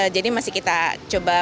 jadi masih kita coba